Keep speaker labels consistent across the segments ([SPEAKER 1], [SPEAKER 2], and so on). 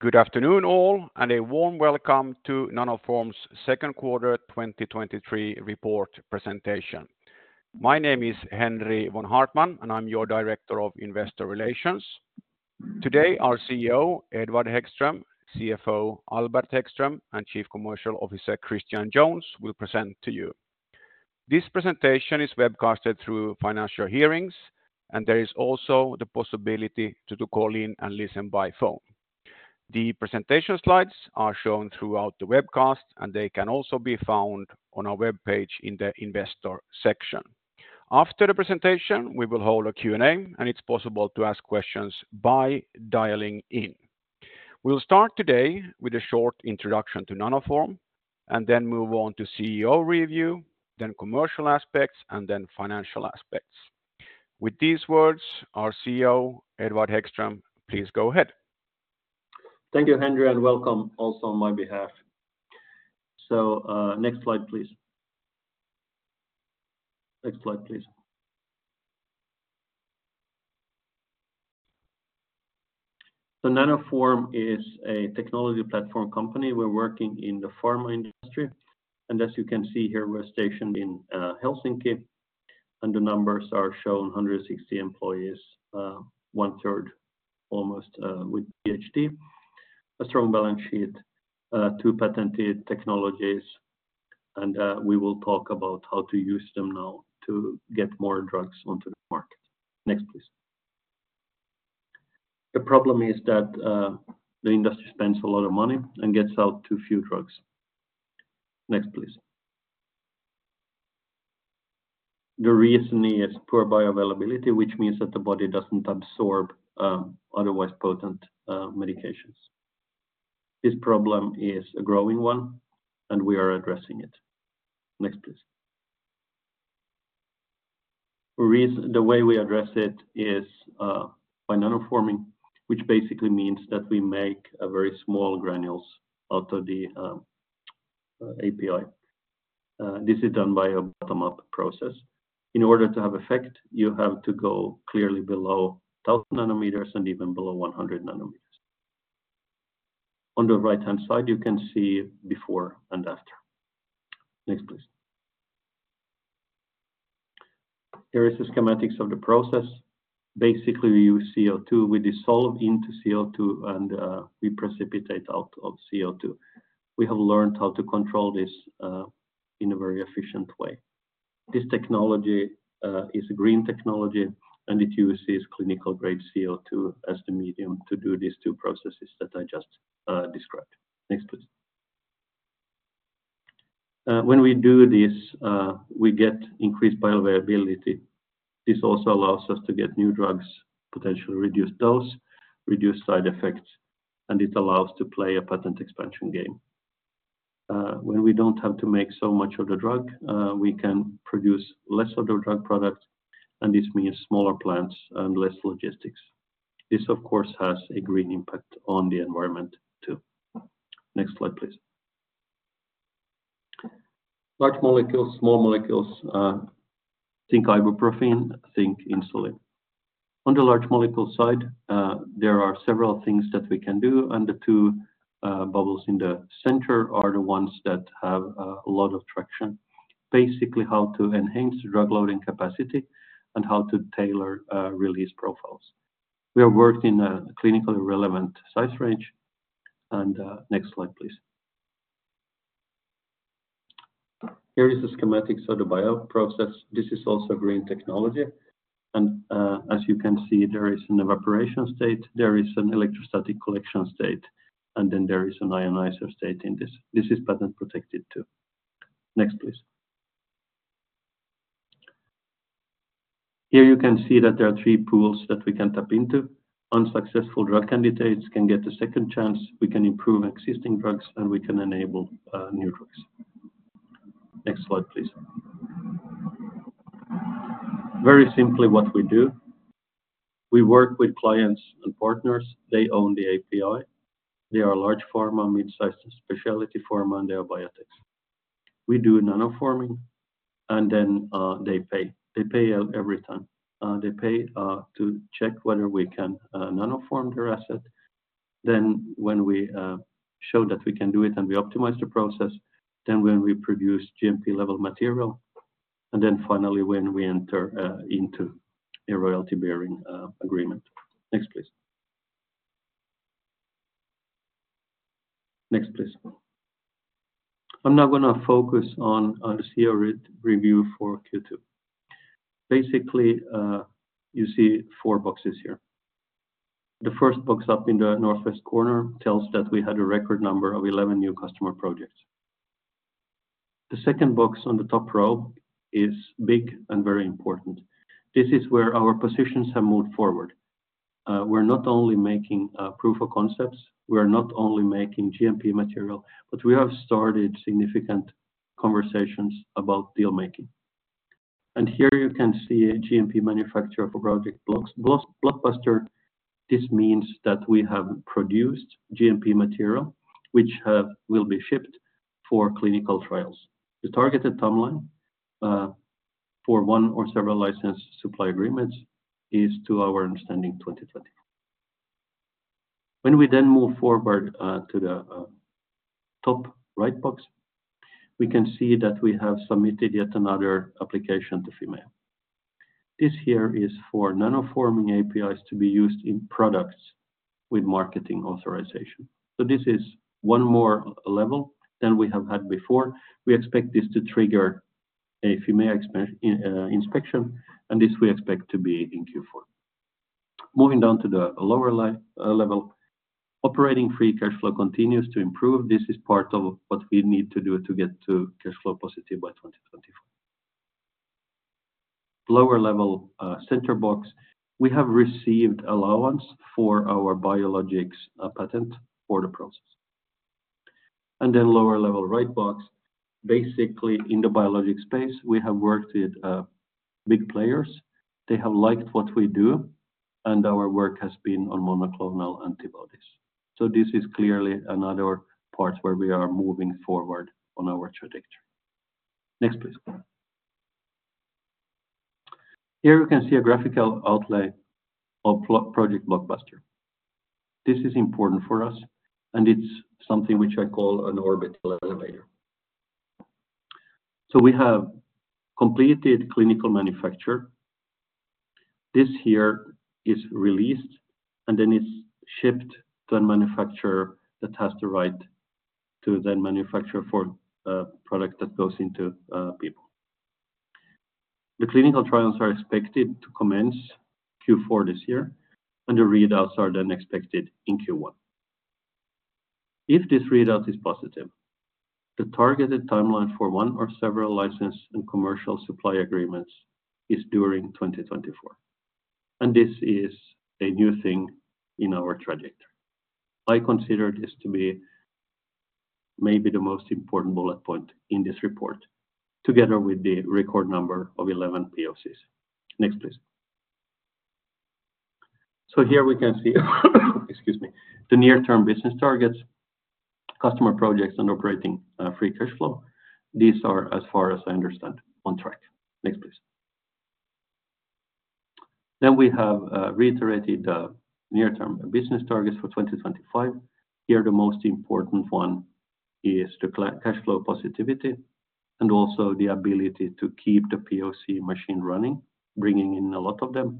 [SPEAKER 1] Good afternoon, all, and a warm welcome to Nanoform's second quarter 2023 report presentation. My name is Henri von Haartman, and I'm your Director of Investor Relations. Today, our CEO, Edward Hæggström, CFO, Albert Hæggström, and Chief Commercial Officer, Christian Jones, will present to you. This presentation is webcasted through Financial Hearings, and there is also the possibility to do call in and listen by phone. The presentation slides are shown throughout the webcast, and they can also be found on our webpage in the investor section. After the presentation, we will hold a Q&A, and it's possible to ask questions by dialing in. We'll start today with a short introduction to Nanoform, and then move on to CEO review, then commercial aspects, and then financial aspects. With these words, our CEO, Edward Hæggström, please go ahead.
[SPEAKER 2] Thank you, Henri, and welcome also on my behalf. Next slide, please. Next slide, please. Nanoform is a technology platform company. We're working in the pharma industry, and as you can see here, we're stationed in Helsinki, and the numbers are shown, 160 employees, 1/3 almost with PhD, a strong balance sheet, two patented technologies, and we will talk about how to use them now to get more drugs onto the market. Next, please. The problem is that the industry spends a lot of money and gets out too few drugs. Next, please. The reason is poor bioavailability, which means that the body doesn't absorb otherwise potent medications. This problem is a growing one, and we are addressing it. Next, please. The way we address it is by nanoforming, which basically means that we make a very small granules out of the API. This is done by a bottom-up process. In order to have effect, you have to go clearly below 1,000 nanometers and even below 100 nanometers. On the right-hand side, you can see before and after. Next, please. Here is the schematics of the process. Basically, we use CO2. We dissolve into CO2, and we precipitate out of CO2. We have learned how to control this in a very efficient way. This technology is a green technology, and it uses clinical-grade CO2 as the medium to do these two processes that I just described. Next, please. When we do this, we get increased bioavailability. This also allows us to get new drugs, potentially reduce dose, reduce side effects, and it allows to play a patent expansion game. When we don't have to make so much of the drug, we can produce less of the drug product, and this means smaller plants and less logistics. This, of course, has a green impact on the environment, too. Next slide, please. Large molecules, small molecules, think ibuprofen, think insulin. On the large molecule side, there are several things that we can do, and the two bubbles in the center are the ones that have a lot of traction. Basically, how to enhance the drug loading capacity and how to tailor release profiles. We are working a clinically relevant size range. Next slide, please. Here is a schematic of the bioprocess. This is also green technology, and, as you can see, there is an evaporation state, there is an electrostatic collection state, and then there is an ionizer state in this. This is patent-protected, too. Next, please. Here you can see that there are three pools that we can tap into. Unsuccessful drug candidates can get a second chance, we can improve existing drugs, and we can enable new drugs. Next slide, please. Very simply what we do, we work with clients and partners. They own the API. They are large pharma, mid-sized specialty pharma, and they are biotechs. We do nanoforming, and then, they pay. They pay every time. They pay to check whether we can nanoform their asset, then when we show that we can do it, and we optimize the process, then when we produce GMP-level material, and then finally, when we enter into a royalty-bearing agreement. Next, please. Next, please. I'm now gonna focus on the CEO re-review for Q2. Basically, you see four boxes here. The first box up in the northwest corner tells that we had a record number of 11 new customer projects. The second box on the top row is big and very important. This is where our positions have moved forward. We're not only making proof of concepts, we are not only making GMP material, but we have started significant conversations about deal-making. And here you can see a GMP manufacture for Project Blockbuster. Blockbuster, this means that we have produced GMP material, which will be shipped for clinical trials. The targeted timeline for one or several license supply agreements is, to our understanding, 2020. When we then move forward to the top right box, we can see that we have submitted yet another application to Fimea. This here is for nanoforming APIs to be used in products with marketing authorization. So this is one more level than we have had before. We expect this to trigger a Fimea expert inspection, and this we expect to be in Q4. Moving down to the lower level, operating free cash flow continues to improve. This is part of what we need to do to get to cash flow positive by 2024. Lower level, center box, we have received allowance for our biologics patent for the process. And then lower level right box, basically, in the biologic space, we have worked with big players. They have liked what we do, and our work has been on monoclonal antibodies. So this is clearly another part where we are moving forward on our trajectory. Next, please. Here you can see a graphical outlay of Project Blockbuster. This is important for us, and it's something which I call an orbital elevator. So we have completed clinical manufacture. This here is released, and then it's shipped to a manufacturer that has the right to then manufacture for a product that goes into people. The clinical trials are expected to commence Q4 this year, and the readouts are then expected in Q1. If this readout is positive, the targeted timeline for one or several license and commercial supply agreements is during 2024, and this is a new thing in our trajectory. I consider this to be maybe the most important bullet point in this report, together with the record number of 11 POCs. Next, please. So here we can see, excuse me, the near-term business targets, customer projects, and operating free cash flow. These are, as far as I understand, on track. Next, please. Then we have reiterated the near-term business targets for 2025. Here, the most important one is the cash flow positivity and also the ability to keep the POC machine running, bringing in a lot of them,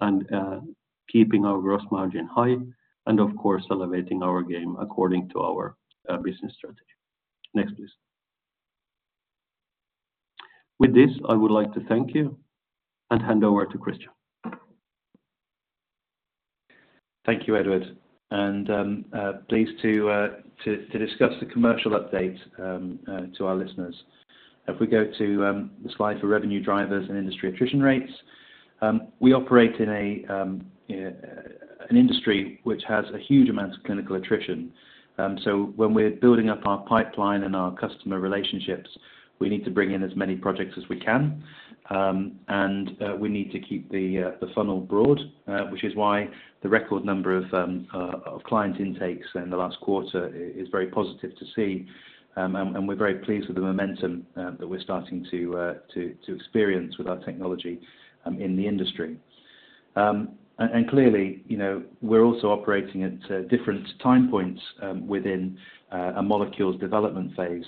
[SPEAKER 2] and keeping our gross margin high and of course, elevating our game according to our business strategy. Next, please. With this, I would like to thank you and hand over to Christian.
[SPEAKER 3] Thank you, Edward, and pleased to discuss the commercial update to our listeners. If we go to the slide for revenue drivers and industry attrition rates, we operate in an industry which has a huge amount of clinical attrition. So when we're building up our pipeline and our customer relationships, we need to bring in as many projects as we can. And we need to keep the funnel broad, which is why the record number of client intakes in the last quarter is very positive to see. And we're very pleased with the momentum that we're starting to experience with our technology in the industry. Clearly, you know, we're also operating at different time points within a molecule's development phase.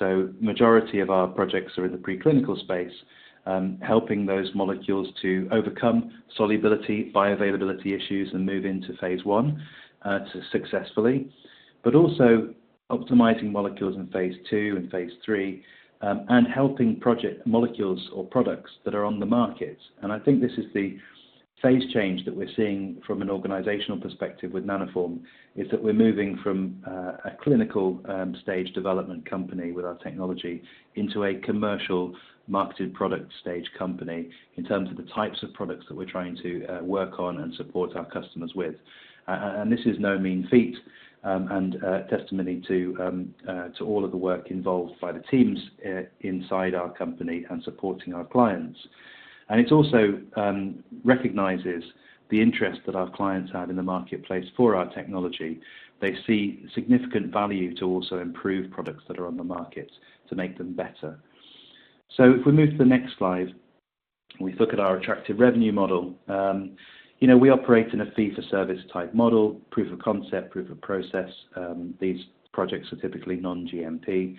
[SPEAKER 3] So majority of our projects are in the preclinical space, helping those molecules to overcome solubility, bioavailability issues, and move into phase I to successfully, but also optimizing molecules in phase II and phase III, and helping project molecules or products that are on the markets. And I think this is the phase change that we're seeing from an organizational perspective with Nanoform, is that we're moving from a clinical stage development company with our technology into a commercial marketed product stage company in terms of the types of products that we're trying to work on and support our customers with. And this is no mean feat, and a testimony to all of the work involved by the teams inside our company and supporting our clients. And it also recognizes the interest that our clients have in the marketplace for our technology. They see significant value to also improve products that are on the market to make them better. So if we move to the next slide, we look at our attractive revenue model. You know, we operate in a fee-for-service type model, proof of concept, proof of process. These projects are typically non-GMP.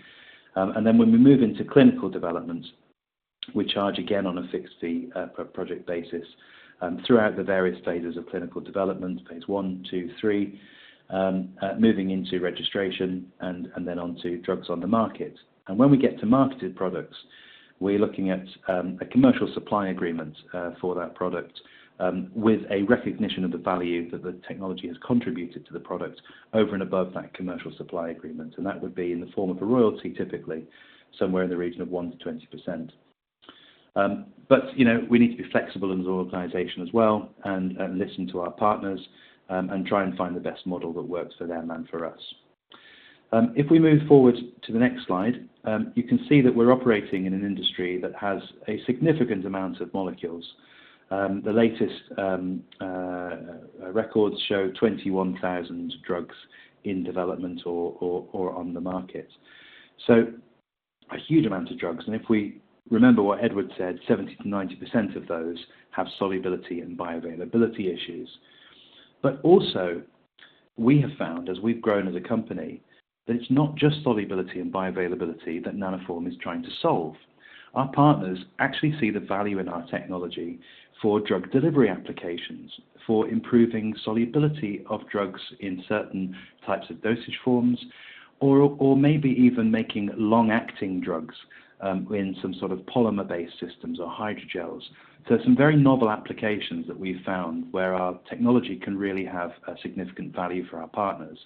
[SPEAKER 3] And then when we move into clinical development, we charge again on a fixed fee per project basis throughout the various phases of clinical development, phase I, II, III, moving into registration and then onto drugs on the market. When we get to marketed products, we're looking at a commercial supply agreement for that product with a recognition of the value that the technology has contributed to the product over and above that commercial supply agreement. And that would be in the form of a royalty, typically somewhere in the region of 1%-20%. But, you know, we need to be flexible as an organization as well and listen to our partners and try and find the best model that works for them and for us. If we move forward to the next slide, you can see that we're operating in an industry that has a significant amount of molecules. The latest records show 21,000 drugs in development or on the market. So a huge amount of drugs, and if we remember what Edward said, 70%-90% of those have solubility and bioavailability issues. But also, we have found, as we've grown as a company, that it's not just solubility and bioavailability that Nanoform is trying to solve. Our partners actually see the value in our technology for drug delivery applications, for improving solubility of drugs in certain types of dosage forms, or maybe even making long-acting drugs in some sort of polymer-based systems or hydrogels. So some very novel applications that we've found where our technology can really have a significant value for our partners,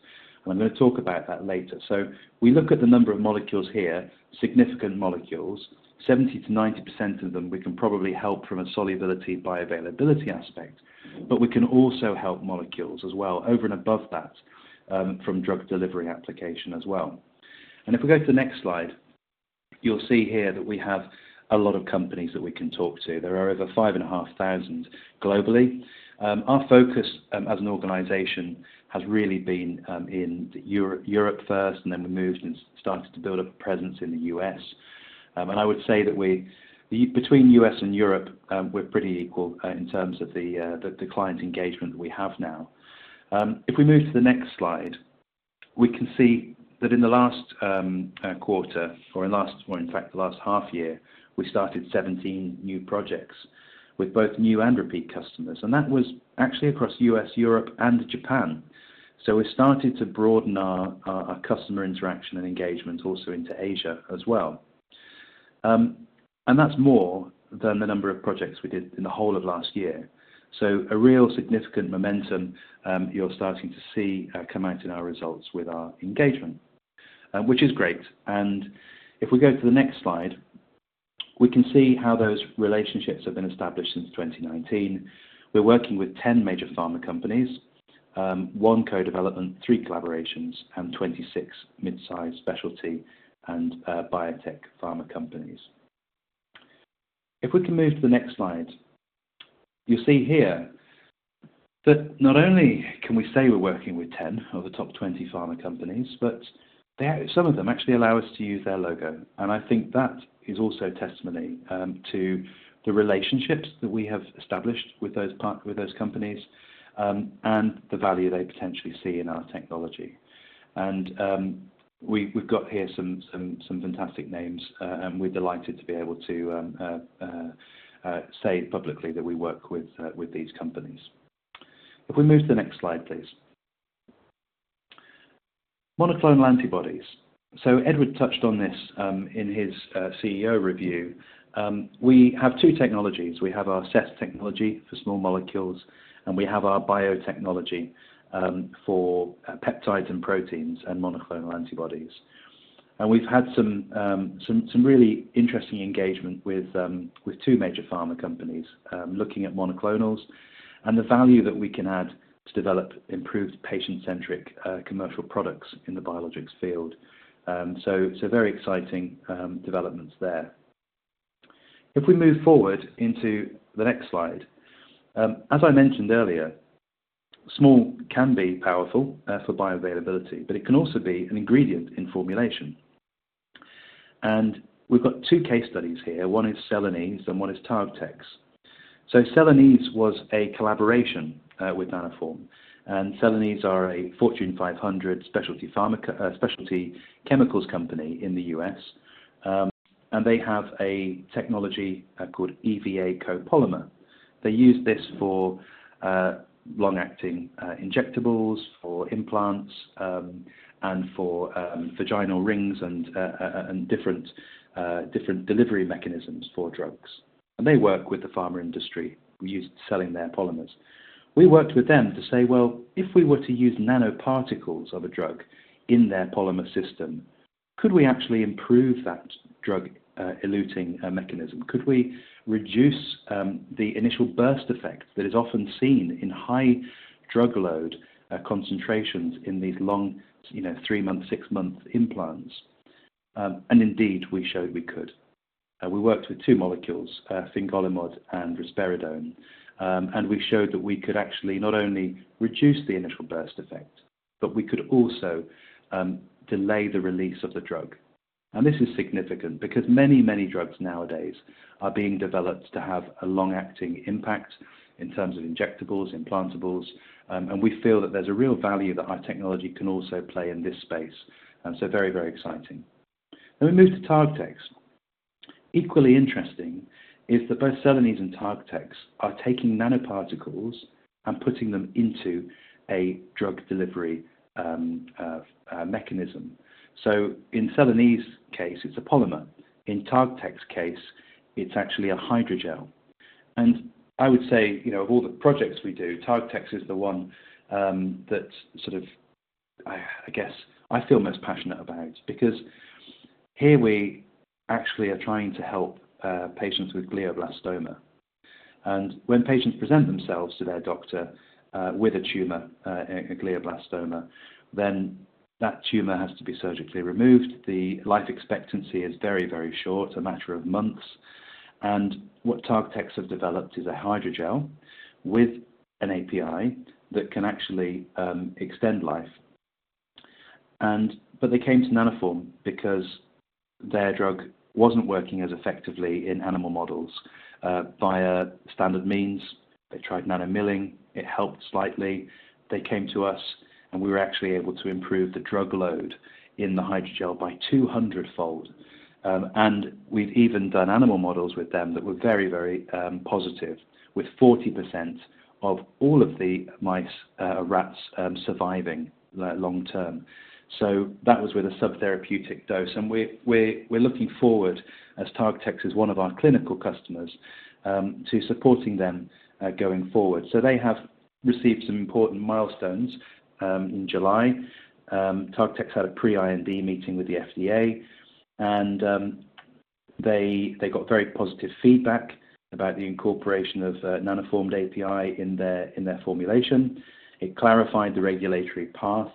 [SPEAKER 3] and I'm going to talk about that later. So we look at the number of molecules here, significant molecules, 70%-90% of them, we can probably help from a solubility, bioavailability aspect, but we can also help molecules as well, over and above that, from drug delivery application as well. If we go to the next slide, you'll see here that we have a lot of companies that we can talk to. There are over 5,500 globally. Our focus, as an organization has really been, in Europe, Europe first, and then we moved and started to build a presence in the U.S. And I would say that between U.S. and Europe, we're pretty equal, in terms of the client engagement that we have now. If we move to the next slide, we can see that in the last quarter, or in fact, the last half year, we started 17 new projects with both new and repeat customers, and that was actually across U.S., Europe, and Japan. So we started to broaden our customer interaction and engagement also into Asia as well. And that's more than the number of projects we did in the whole of last year. So a real significant momentum you're starting to see come out in our results with our engagement, which is great. And if we go to the next slide, we can see how those relationships have been established since 2019. We're working with 10 major pharma companies, one co-development, three collaborations, and 26 mid-size specialty and biotech pharma companies. If we can move to the next slide. You'll see here that not only can we say we're working with 10 of the top 20 pharma companies, but some of them actually allow us to use their logo, and I think that is also a testimony to the relationships that we have established with those companies, and the value they potentially see in our technology. We've got here some fantastic names, and we're delighted to be able to say publicly that we work with these companies. If we move to the next slide, please. Monoclonal antibodies. So Edward touched on this in his CEO review. We have two technologies. We have our CESS technology for small molecules, and we have our biotechnology for peptides and proteins and monoclonal antibodies. We've had some really interesting engagement with two major pharma companies looking at monoclonals and the value that we can add to develop improved patient-centric commercial products in the biologics field. So very exciting developments there. If we move forward into the next slide. As I mentioned earlier, small can be powerful for bioavailability, but it can also be an ingredient in formulation. We've got two case studies here. One is Celanese, and one is TargTex. So Celanese was a collaboration with Nanoform, and Celanese are a Fortune 500 specialty chemicals company in the U.S. And they have a technology called EVA copolymer. They use this for long-acting injectables, for implants, and for vaginal rings and different delivery mechanisms for drugs. They work with the pharma industry. We use their polymers. We worked with them to say, "Well, if we were to use nanoparticles of a drug in their polymer system, could we actually improve that drug eluting mechanism? Could we reduce the initial burst effect that is often seen in high drug load concentrations in these long, you know, three-month, six-month implants?" And indeed, we showed we could. We worked with two molecules, fingolimod and risperidone. And we showed that we could actually not only reduce the initial burst effect, but we could also delay the release of the drug. This is significant because many, many drugs nowadays are being developed to have a long-acting impact in terms of injectables, implantables, and we feel that there's a real value that our technology can also play in this space, and so very, very exciting. Let me move to TargTex. Equally interesting is that both Celanese and TargTex are taking nanoparticles and putting them into a drug delivery mechanism. So in Celanese case, it's a polymer. In TargTex case, it's actually a hydrogel. And I would say, you know, of all the projects we do, TargTex is the one that sort of, I guess I feel most passionate about because here we actually are trying to help patients with glioblastoma. And when patients present themselves to their doctor with a tumor, a glioblastoma, then that tumor has to be surgically removed. The life expectancy is very, very short, a matter of months, and what TargTex have developed is a hydrogel with an API that can actually extend life. But they came to Nanoform because their drug wasn't working as effectively in animal models via standard means. They tried nanomilling. It helped slightly. They came to us, and we were actually able to improve the drug load in the hydrogel by 200-fold. And we've even done animal models with them that were very, very positive, with 40% of all of the mice, rats, surviving long-term. So that was with a subtherapeutic dose, and we're looking forward as TargTex is one of our clinical customers to supporting them going forward. So they have received some important milestones in July. TargTex had a pre-IND meeting with the FDA, and they got very positive feedback about the incorporation of Nanoformed API in their formulation. It clarified the regulatory path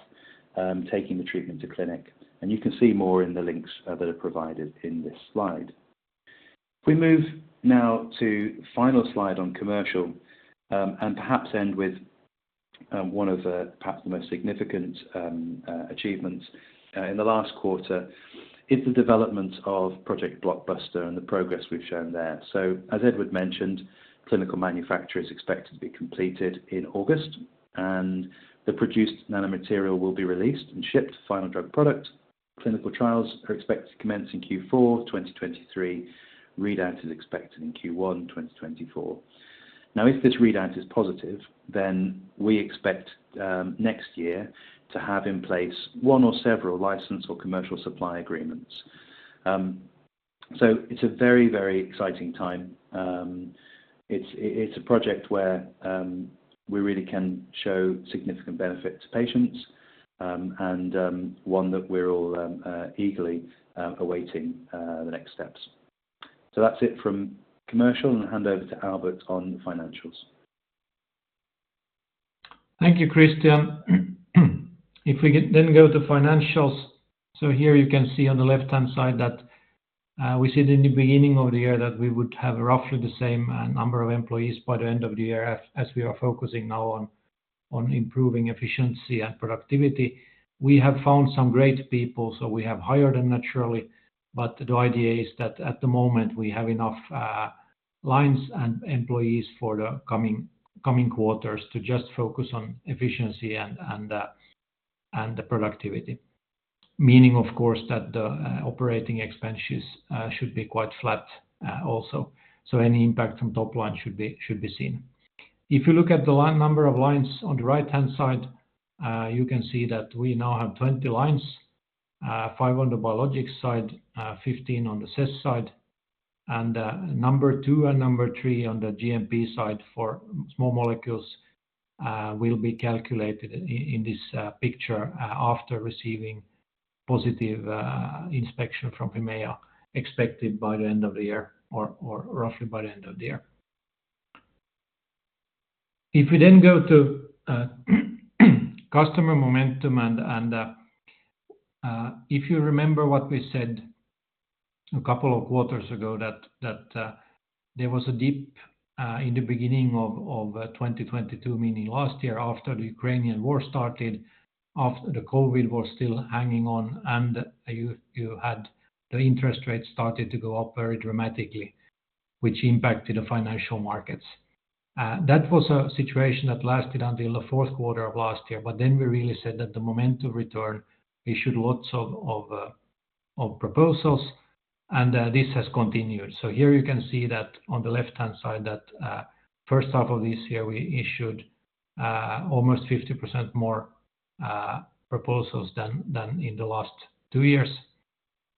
[SPEAKER 3] taking the treatment to clinic, and you can see more in the links that are provided in this slide. We move now to final slide on commercial, and perhaps end with one of the perhaps the most significant achievements in the last quarter is the development of Project Blockbuster and the progress we've shown there. So as Edward mentioned, clinical manufacture is expected to be completed in August, and the produced nanomaterial will be released and shipped to final drug product. Clinical trials are expected to commence in Q4 2023. Readout is expected in Q1 2024. Now, if this readout is positive, then we expect next year to have in place one or several license or commercial supply agreements. So it's a very, very exciting time. It's a project where we really can show significant benefit to patients, and one that we're all eagerly awaiting the next steps. So that's it from commercial, and I'll hand over to Albert on financials.
[SPEAKER 4] Thank you, Christian. If we then go to financials, so here you can see on the left-hand side that we said in the beginning of the year that we would have roughly the same number of employees by the end of the year, as we are focusing now on improving efficiency and productivity. We have found some great people, so we have hired them naturally, but the idea is that at the moment, we have enough lines and employees for the coming quarters to just focus on efficiency and the productivity. Meaning, of course, that the operating expenses should be quite flat, also. So any impact from top line should be seen. If you look at the number of lines on the right-hand side, you can see that we now have 20 lines, five on the biologic side, 15 on the CESS side, and number two and number three on the GMP side for small molecules will be calculated in this picture after receiving positive inspection from Fimea, expected by the end of the year or roughly by the end of the year. If we then go to customer momentum and, if you remember what we said a couple of quarters ago, there was a dip in the beginning of 2022, meaning last year, after the Ukrainian war started, after the COVID was still hanging on and you had the interest rates started to go up very dramatically, which impacted the financial markets. That was a situation that lasted until the fourth quarter of last year, but then we really said that the momentum returned, issued lots of proposals, and this has continued. So here you can see that on the left-hand side, first half of this year, we issued almost 50% more proposals than in the last two years.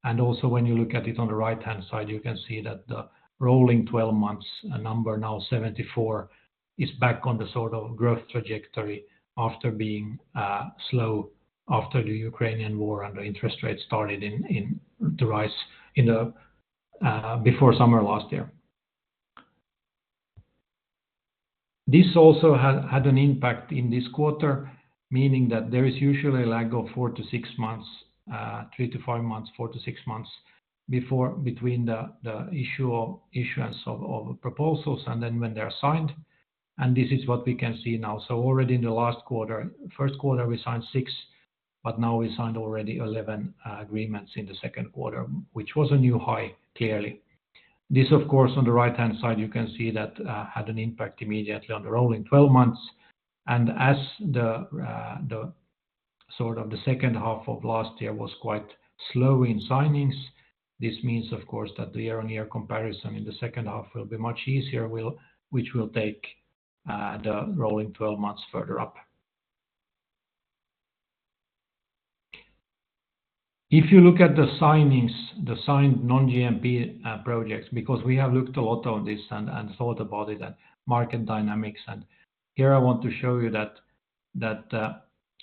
[SPEAKER 4] Also, when you look at it on the right-hand side, you can see that the rolling 12 months, a number now 74, is back on the sort of growth trajectory after being slow after the Ukrainian war and the interest rates started to rise before summer last year. This also had an impact in this quarter, meaning that there is usually a lag of four to six months, three to five months, four to six months, before between the issuance of proposals and then when they're signed, and this is what we can see now. So already in the last quarter, first quarter, we signed six, but now we signed already 11 agreements in the second quarter, which was a new high, clearly. This, of course, on the right-hand side, you can see that had an impact immediately on the rolling 12 months, and as the sort of the second half of last year was quite slow in signings, this means, of course, that the year-on-year comparison in the second half will be much easier, will, which will take the rolling 12 months further up. If you look at the signings, the signed non-GMP projects, because we have looked a lot on this and thought about it, and market dynamics, and here I want to show you that,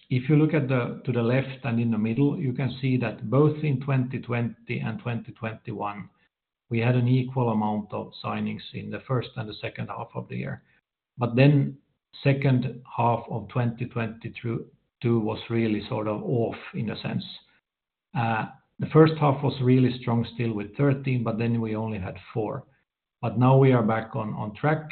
[SPEAKER 4] if you look at the, to the left and in the middle, you can see that both in 2020 and 2021, we had an equal amount of signings in the first and the second half of the year. But then second half of 2022 was really sort of off in a sense. The first half was really strong still with 13, but then we only had four. But now we are back on track,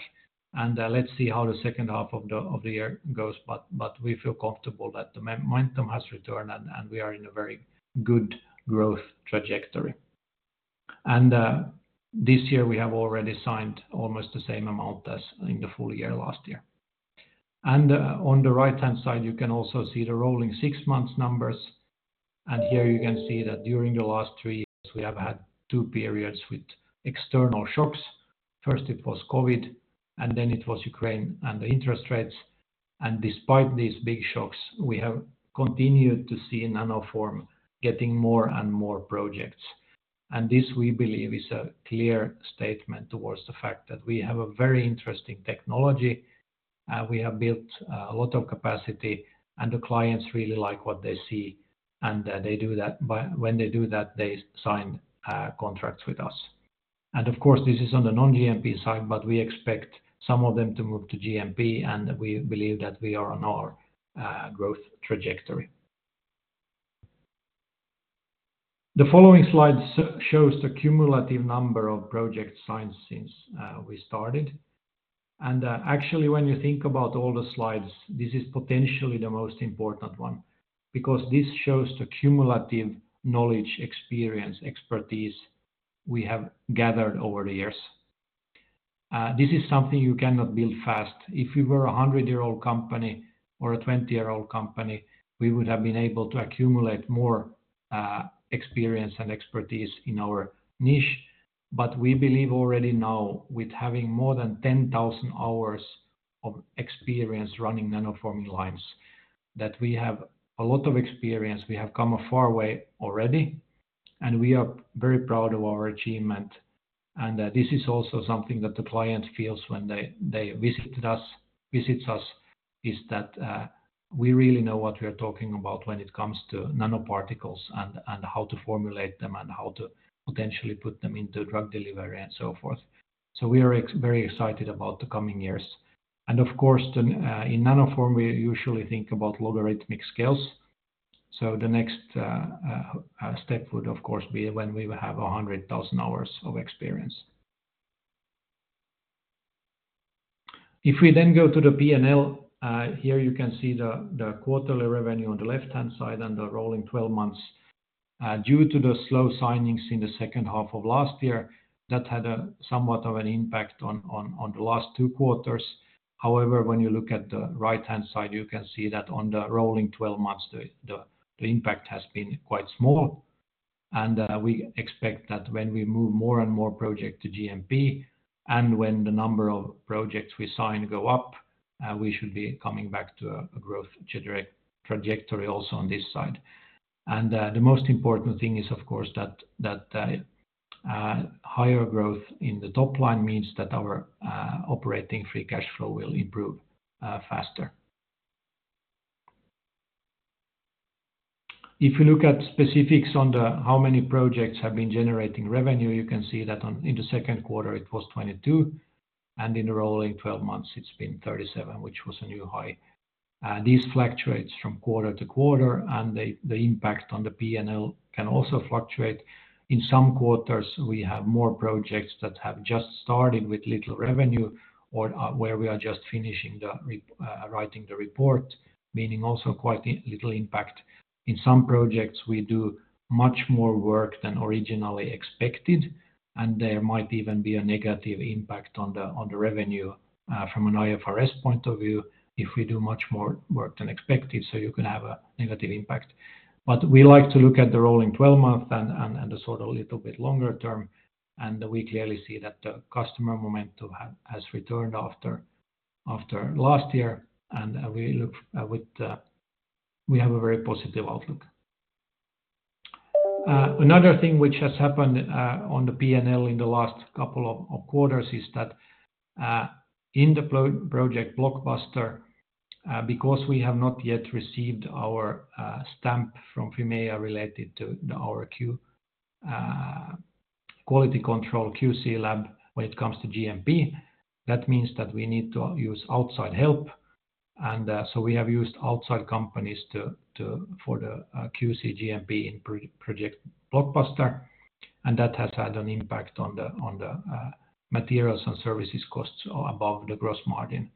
[SPEAKER 4] and let's see how the second half of the year goes, but we feel comfortable that the momentum has returned, and we are in a very good growth trajectory. And this year, we have already signed almost the same amount as in the full year last year. And on the right-hand side, you can also see the rolling six-month numbers, and here you can see that during the last three years, we have had two periods with external shocks. First, it was COVID, and then it was Ukraine and the interest rates. Despite these big shocks, we have continued to see Nanoform getting more and more projects. This, we believe, is a clear statement towards the fact that we have a very interesting technology, and we have built a lot of capacity, and the clients really like what they see, and they do that by, when they do that, they sign contracts with us. Of course, this is on the non-GMP side, but we expect some of them to move to GMP, and we believe that we are on our growth trajectory. The following slide shows the cumulative number of projects signed since we started. Actually, when you think about all the slides, this is potentially the most important one because this shows the cumulative knowledge, experience, expertise we have gathered over the years. This is something you cannot build fast. If we were a 100-year-old company or a 20-year-old company, we would have been able to accumulate more experience and expertise in our niche. But we believe already now, with having more than 10,000 hours of experience running Nanoform lines, that we have a lot of experience, we have come a far way already, and we are very proud of our achievement. This is also something that the client feels when they visit us, is that we really know what we are talking about when it comes to nanoparticles and how to formulate them and how to potentially put them into drug delivery and so forth. So we are very excited about the coming years. And of course, in Nanoform, we usually think about logarithmic scales, so the next step would, of course, be when we will have 100,000 hours of experience. If we then go to the P&L, here you can see the quarterly revenue on the left-hand side and the rolling 12 months. Due to the slow signings in the second half of last year, that had a somewhat of an impact on the last two quarters. However, when you look at the right-hand side, you can see that on the rolling 12 months, the impact has been quite small, and we expect that when we move more and more project to GMP, and when the number of projects we sign go up, we should be coming back to a growth trajectory also on this side. The most important thing is, of course, that higher growth in the top line means that our operating free cash flow will improve faster. If you look at specifics on how many projects have been generating revenue, you can see that in the second quarter, it was 22, and in the rolling 12 months, it's been 37, which was a new high. These fluctuates from quarter-to-quarter, and the impact on the P&L can also fluctuate. In some quarters, we have more projects that have just started with little revenue or where we are just finishing the report, meaning also quite little impact. In some projects, we do much more work than originally expected, and there might even be a negative impact on the revenue from an IFRS point of view, if we do much more work than expected, so you can have a negative impact. But we like to look at the rolling 12 month and the sort of little bit longer term, and we clearly see that the customer momentum has returned after last year, and we have a very positive outlook. Another thing which has happened on the P&L in the last couple of quarters is that in the Project Blockbuster, because we have not yet received our stamp from Fimea related to our quality control, QC lab, when it comes to GMP, that means that we need to use outside help. And so we have used outside companies to for the QC GMP in Project Blockbuster, and that has had an impact on the materials and services costs above the gross margin.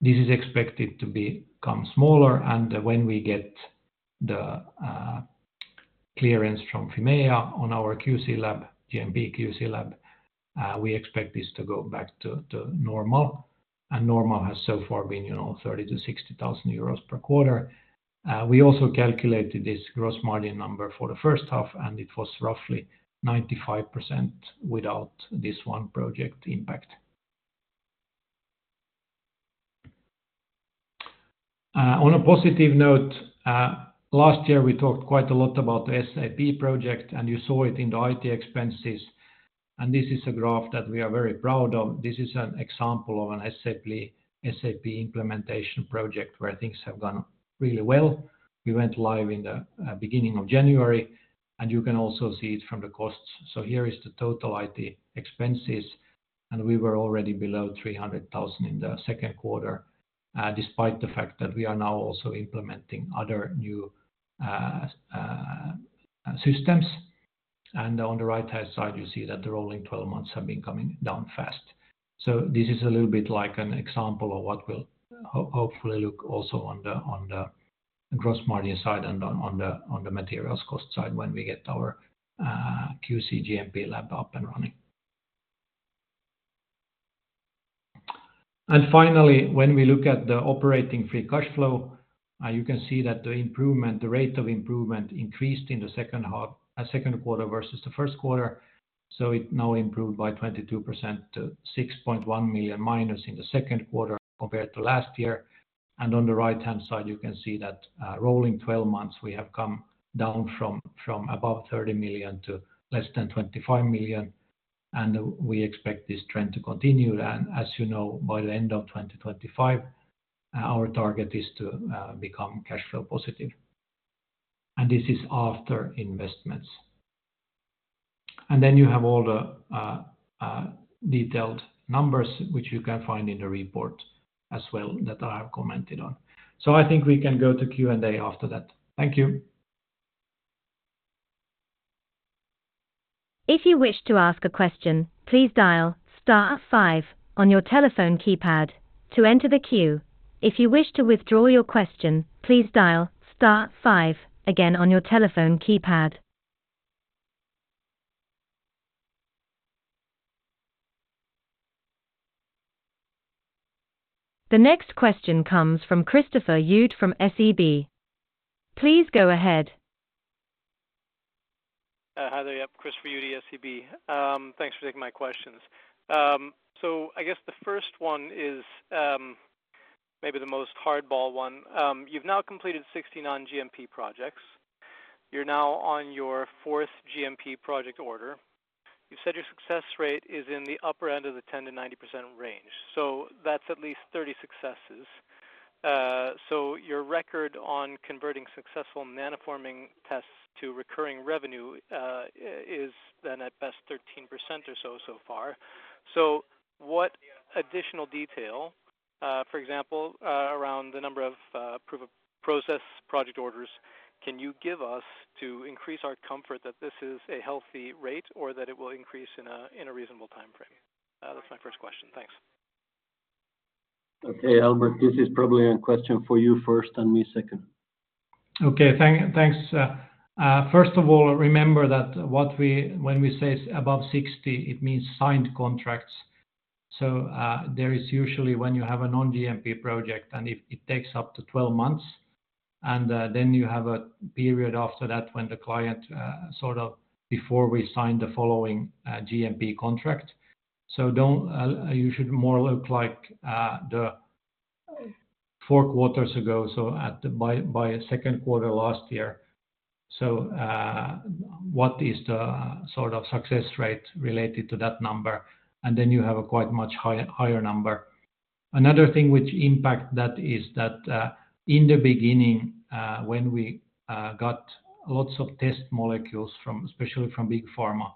[SPEAKER 4] This is expected to become smaller, and when we get the clearance from Fimea on our QC lab, GMP QC lab, we expect this to go back to normal, and normal has so far been, you know, 30,000-60,000 euros per quarter. We also calculated this gross margin number for the first half, and it was roughly 95% without this one project impact. On a positive note, last year, we talked quite a lot about the SAP project, and you saw it in the IT expenses, and this is a graph that we are very proud of. This is an example of an SAP implementation project where things have gone really well. We went live in the beginning of January, and you can also see it from the costs. So here is the total IT expenses, and we were already below 300,000 in the second quarter, despite the fact that we are now also implementing other new systems. And on the right-hand side, you see that the rolling 12 months have been coming down fast. So this is a little bit like an example of what will hopefully look also on the gross margin side and on the materials cost side when we get our QC GMP lab up and running. Finally, when we look at the operating free cash flow, you can see that the improvement, the rate of improvement increased in the second quarter versus the first quarter. So it now improved by 22% to -6.1 million in the second quarter compared to last year. And on the right-hand side, you can see that rolling 12 months, we have come down from above 30 million to less than 25 million, and we expect this trend to continue. As you know, by the end of 2025, our target is to become cash flow positive. This is after investments. Then you have all the detailed numbers, which you can find in the report as well that I have commented on. I think we can go to Q&A after that. Thank you.
[SPEAKER 5] If you wish to ask a question, please dial star five on your telephone keypad to enter the queue. If you wish to withdraw your question, please dial star five again on your telephone keypad. The next question comes from Christopher Uhde from SEB. Please go ahead.
[SPEAKER 6] Hi there. Yep, Chris Uhde, SEB. Thanks for taking my questions. So I guess the first one is, maybe the most hardball one. You've now completed 60 non-GMP projects. You're now on your 4th GMP project order. You said your success rate is in the upper end of the 10%-90% range, so that's at least 30 successes. So your record on converting successful nanoforming tests to recurring revenue, is then at best 13% or so, so far. So what additional detail, for example, around the number of, proof of process project orders, can you give us to increase our comfort that this is a healthy rate or that it will increase in a, in a reasonable time frame? That's my first question. Thanks.
[SPEAKER 2] Okay, Albert, this is probably a question for you first and me second.
[SPEAKER 4] Okay, thanks. First of all, remember that what we, when we say above 60, it means signed contracts. So, there is usually when you have a non-GMP project, and it takes up to 12 months, and then you have a period after that when the client sort of before we sign the following GMP contract. So don't, you should more look like the four quarters ago, so by second quarter last year. So, what is the sort of success rate related to that number? And then you have a quite much higher number. Another thing which impact that is that, in the beginning, when we got lots of test molecules from, especially from big pharma,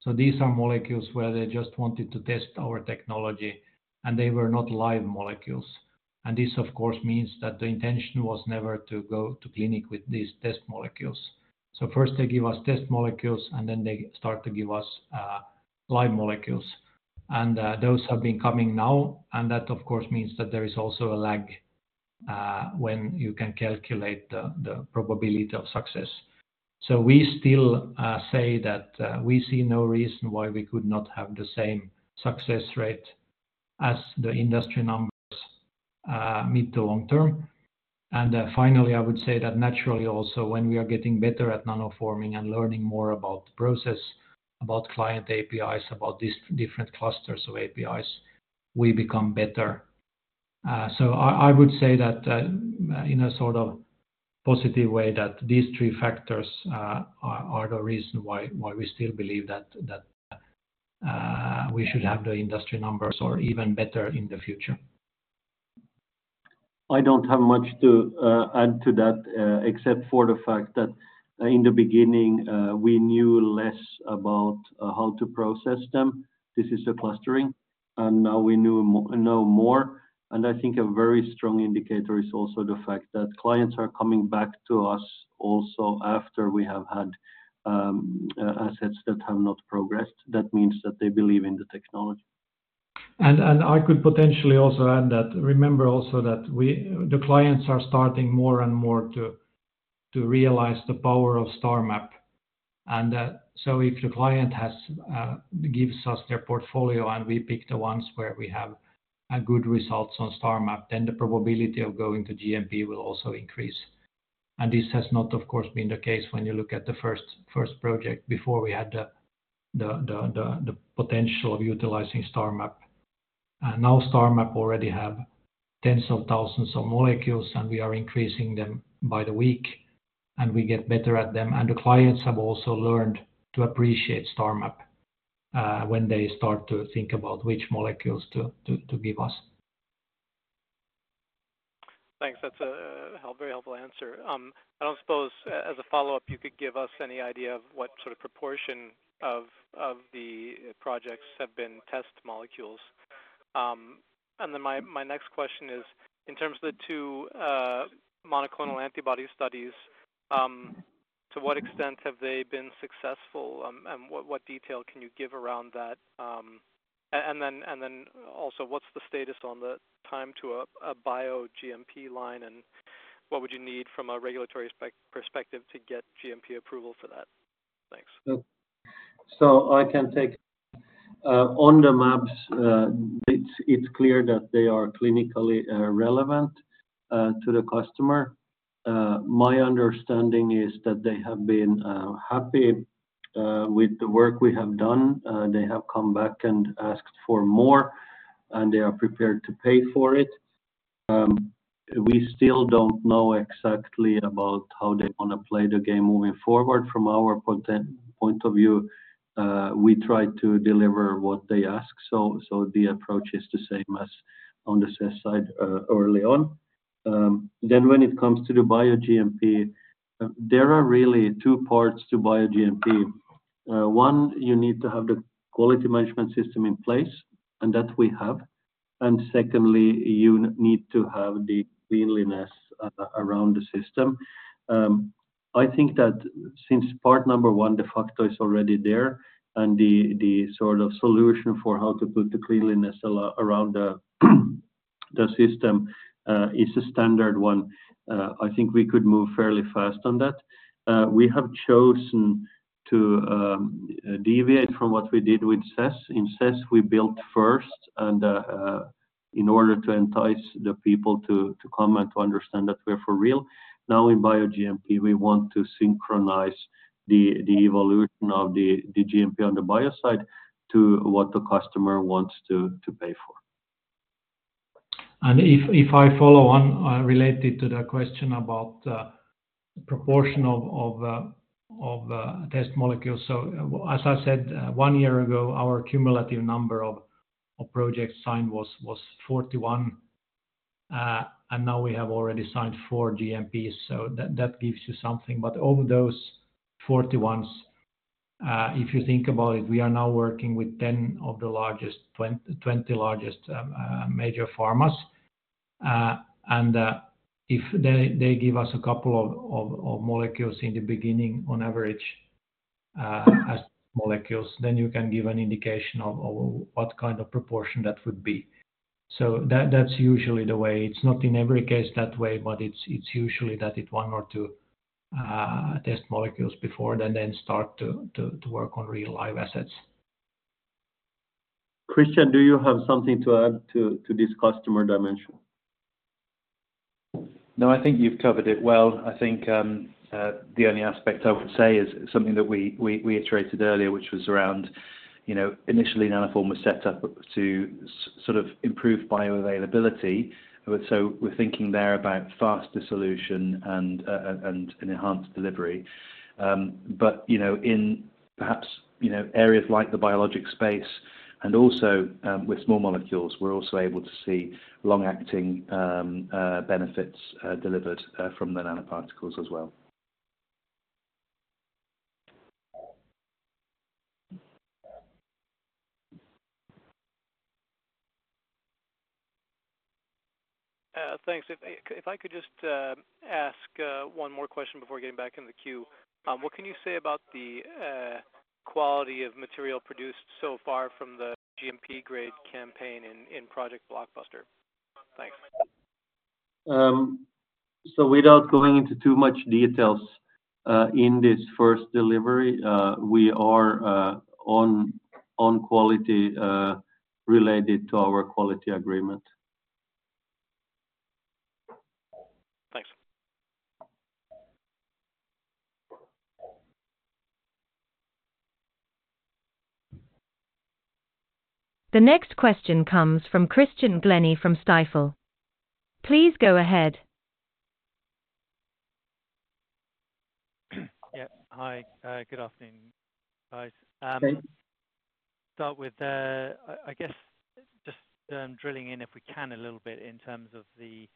[SPEAKER 4] so these are molecules where they just wanted to test our technology, and they were not live molecules. And this, of course, means that the intention was never to go to clinic with these test molecules. So first they give us test molecules, and then they start to give us live molecules. And those have been coming now, and that, of course, means that there is also a lag when you can calculate the probability of success. So we still say that we see no reason why we could not have the same success rate as the industry numbers mid to long term. Finally, I would say that naturally also, when we are getting better at nanoforming and learning more about the process, about client APIs, about these different clusters of APIs, we become better. So I would say that, in a sort of positive way, that these three factors are the reason why we still believe that we should have the industry numbers or even better in the future. I don't have much to add to that, except for the fact that in the beginning, we knew less about how to process them. This is the clustering, and now we know more. And I think a very strong indicator is also the fact that clients are coming back to us also after we have had assets that have not progressed. That means that they believe in the technology. I could potentially also add that, remember also that we, the clients are starting more and more to realize the power of STARMAP. So if the client gives us their portfolio and we pick the ones where we have good results on STARMAP, then the probability of going to GMP will also increase. This has not, of course, been the case when you look at the first project before we had the potential of utilizing STARMAP. Now STARMAP already have tens of thousands of molecules, and we are increasing them by the week, and we get better at them. The clients have also learned to appreciate STARMAP when they start to think about which molecules to give us.
[SPEAKER 6] Thanks, that's a help, very helpful answer. I don't suppose, as a follow-up, you could give us any idea of what sort of proportion of, of the projects have been test molecules? And then my, my next question is, in terms of the two, monoclonal antibody studies, to what extent have they been successful, and what, what detail can you give around that? And then, and then also, what's the status on the time to a, a bio GMP line, and what would you need from a regulatory perspective to get GMP approval for that? Thanks.
[SPEAKER 2] So, I can take it. On the maps, it's clear that they are clinically relevant to the customer. My understanding is that they have been happy with the work we have done. They have come back and asked for more, and they are prepared to pay for it. We still don't know exactly about how they wanna play the game moving forward. From our point of view, we try to deliver what they ask, so the approach is the same as on the sales side early on. Then when it comes to the bio GMP, there are really two parts to bio GMP. One, you need to have the quality management system in place, and that we have. And secondly, you need to have the cleanliness around the system. I think that since part number one, de facto, is already there, and the sort of solution for how to put the cleanliness around the system is a standard one, I think we could move fairly fast on that. We have chosen to deviate from what we did with CESS. In CESS, we built first and in order to entice the people to come and to understand that we're for real. Now, in bio GMP, we want to synchronize the evolution of the GMP on the bio side to what the customer wants to pay for.
[SPEAKER 4] If I follow on related to the question about proportion of test molecules. So as I said, one year ago, our cumulative number of projects signed was 41, and now we have already signed four GMPs, so that gives you something. But of those 41, if you think about it, we are now working with 10 of the largest—20 largest major pharmas. And if they give us a couple of molecules in the beginning, on average, as molecules, then you can give an indication of what kind of proportion that would be. So that's usually the way. It's not in every case that way, but it's usually that it's one or two test molecules before then they start to work on real live assets.
[SPEAKER 2] Christian, do you have something to add to this customer dimension?
[SPEAKER 3] No, I think you've covered it well. I think, the only aspect I would say is something that we iterated earlier, which was around, you know, initially, Nanoform was set up to sort of improve bioavailability. So we're thinking there about faster solution and, and an enhanced delivery. But, you know, in perhaps, you know, areas like the biologic space and also, with small molecules, we're also able to see long-acting, benefits, delivered, from the nanoparticles as well.
[SPEAKER 6] Thanks. If I could just ask one more question before getting back in the queue. What can you say about the quality of material produced so far from the GMP-grade campaign in Project Blockbuster? Thanks.
[SPEAKER 2] So without going into too much details, in this first delivery, we are on quality related to our quality agreement.
[SPEAKER 6] Thanks.
[SPEAKER 5] The next question comes from Christian Glennie from Stifel. Please go ahead.
[SPEAKER 7] Yeah. Hi, good afternoon, guys.
[SPEAKER 2] Hey.
[SPEAKER 7] I guess, just drilling in, if we can, a little bit in terms of the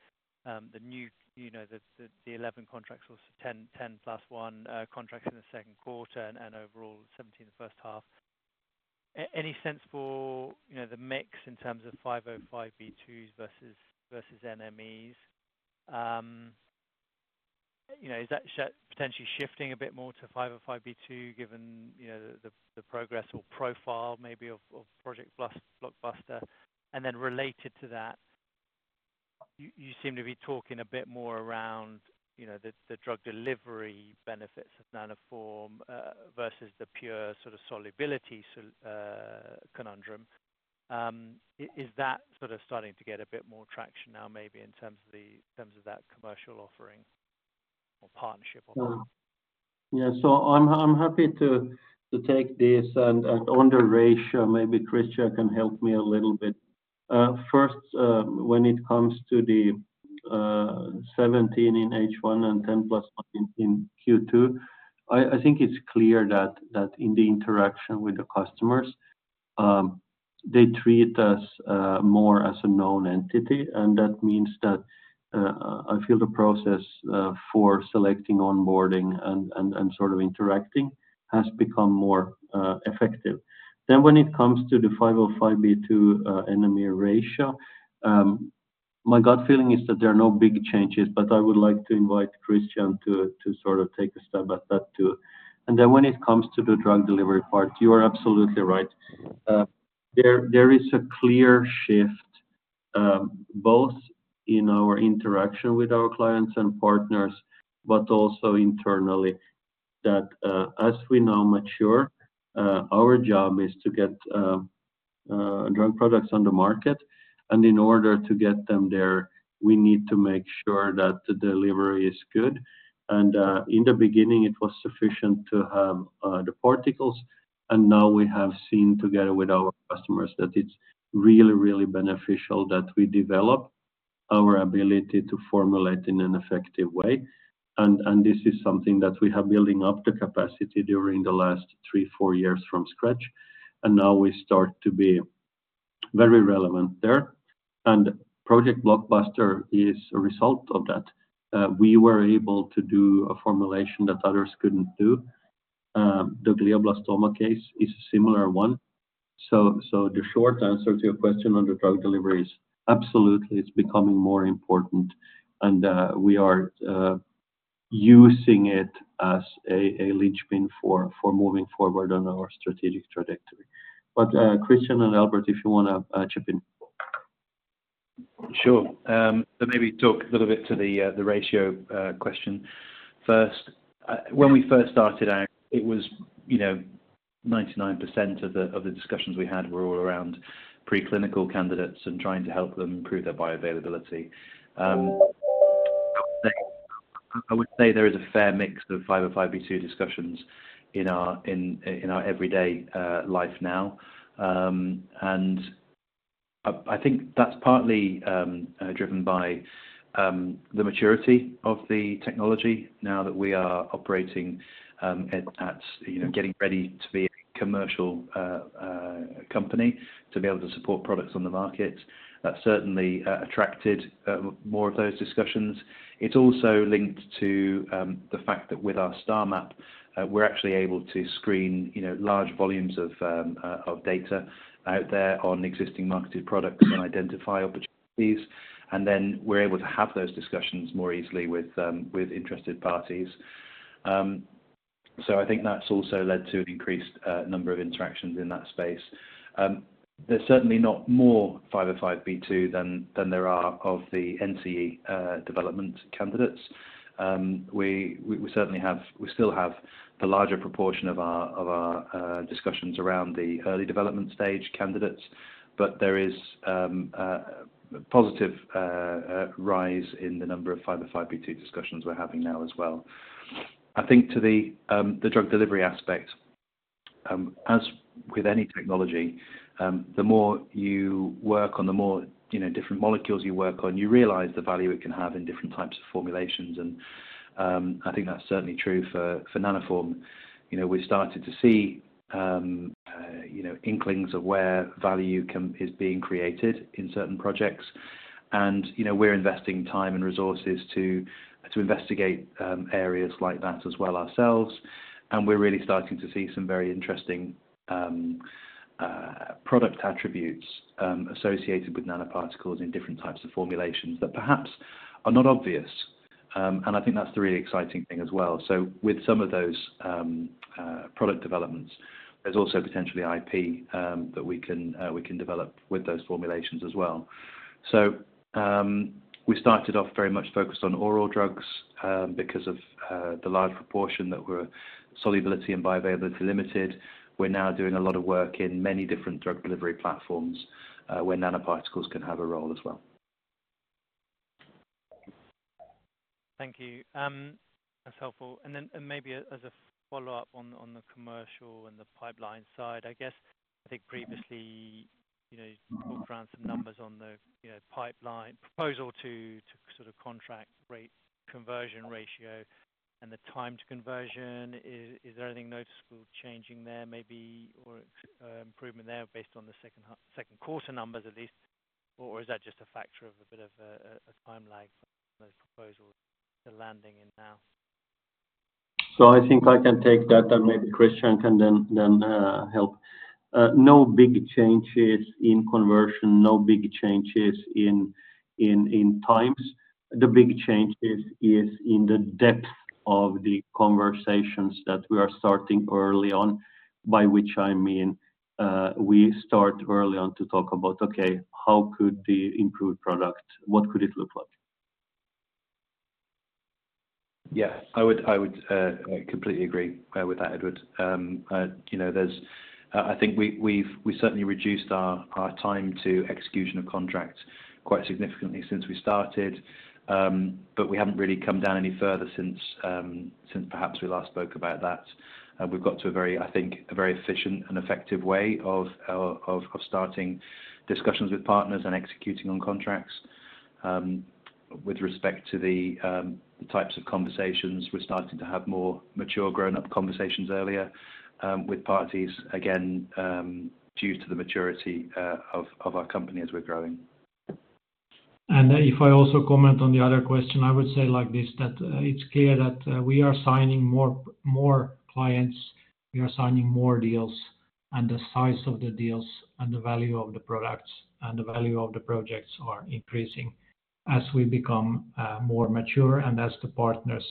[SPEAKER 7] new, you know, the 11 contracts or so 10, 10 + 1, contracts in the second quarter and overall, 17 in the first half. Any sense for, you know, the mix in terms of 505(b)(2)s versus NMEs? You know, is that potentially shifting a bit more to 505(b)(2), given, you know, the progress or profile maybe of Project Blockbuster? And then related to that, you seem to be talking a bit more around, you know, the drug delivery benefits of Nanoform versus the pure sort of solubility conundrum. Is that sort of starting to get a bit more traction now, maybe in terms of the, in terms of that commercial offering or partnership offer?
[SPEAKER 2] Yeah. So I'm happy to take this, and on the ratio, maybe Christian can help me a little bit. First, when it comes to the 17 in H1 and 10 + 1 in Q2, I think it's clear that in the interaction with the customers, they treat us more as a known entity, and that means that I feel the process for selecting, onboarding, and sort of interacting has become more effective. Then when it comes to the 505(b)(2), NME ratio, my gut feeling is that there are no big changes, but I would like to invite Christian to sort of take a stab at that, too. And then when it comes to the drug delivery part, you are absolutely right. There is a clear shift both in our interaction with our clients and partners, but also internally that as we now mature, our job is to get drug products on the market, and in order to get them there, we need to make sure that the delivery is good. In the beginning, it was sufficient to have the particles, and now we have seen together with our customers that it's really, really beneficial that we develop our ability to formulate in an effective way. This is something that we have building up the capacity during the last three to four years from scratch, and now we start to be very relevant there. Project Blockbuster is a result of that. We were able to do a formulation that others couldn't do. The glioblastoma case is a similar one. So, the short answer to your question on the drug delivery is absolutely, it's becoming more important, and, we are using it as a linchpin for moving forward on our strategic trajectory. But, Christian and Albert, if you wanna chip in.
[SPEAKER 3] Sure. So maybe talk a little bit to the, the ratio, question first. When we first started out, it was, you know, 99% of the, of the discussions we had were all around preclinical candidates and trying to help them improve their bioavailability. I would say there is a fair mix of 505(b)(2) discussions in our, in, in our everyday, life now. And I think that's partly, driven by, the maturity of the technology now that we are operating, at, at, you know, getting ready to be a commercial, company, to be able to support products on the market. That certainly, attracted, more of those discussions. It's also linked to the fact that with our STARMAP, we're actually able to screen, you know, large volumes of data out there on existing marketed products and identify opportunities, and then we're able to have those discussions more easily with interested parties. So I think that's also led to increased number of interactions in that space. There's certainly not more 505(b)(2) than there are of the NCE development candidates. We certainly have, we still have the larger proportion of our discussions around the early development stage candidates, but there is a positive rise in the number of 505(b)(2) discussions we're having now as well. I think to the drug delivery aspect, as with any technology, the more you work on, the more, you know, different molecules you work on, you realize the value it can have in different types of formulations, and I think that's certainly true for Nanoform. You know, we started to see inklings of where value is being created in certain projects, and, you know, we're investing time and resources to investigate areas like that as well ourselves. And we're really starting to see some very interesting product attributes associated with nanoparticles in different types of formulations that perhaps are not obvious. And I think that's the really exciting thing as well. So with some of those, product developments, there's also potentially IP, that we can, we can develop with those formulations as well. So, we started off very much focused on oral drugs, because of, the large proportion that were solubility and bioavailability limited. We're now doing a lot of work in many different drug delivery platforms, where nanoparticles can have a role as well.
[SPEAKER 7] Thank you. That's helpful. And then, and maybe as a follow-up on, on the commercial and the pipeline side, I guess, I think previously, you know, you talked around some numbers on the, you know, pipeline proposal to, to sort of contract rate conversion ratio and the time to conversion. Is there anything noticeable changing there, maybe, or improvement there based on the second half, second quarter numbers, at least? Or is that just a factor of a bit of a time lag, those proposals are landing in now?
[SPEAKER 2] So I think I can take that, and maybe Christian can then help. No big changes in conversion, no big changes in times. The big change is in the depth of the conversations that we are starting early on, by which I mean, we start early on to talk about, okay, how could the improved product, what could it look like?
[SPEAKER 3] Yeah, I would completely agree with that, Edward. You know, there's—I think we've certainly reduced our time to execution of contract quite significantly since we started. But we haven't really come down any further since perhaps we last spoke about that. We've got to a very, I think, a very efficient and effective way of starting discussions with partners and executing on contracts. With respect to the types of conversations, we're starting to have more mature, grown-up conversations earlier with parties, again, due to the maturity of our company as we're growing.
[SPEAKER 4] If I also comment on the other question, I would say like this, that it's clear that we are signing more clients, we are signing more deals, and the size of the deals and the value of the products and the value of the projects are increasing as we become more mature and as the partners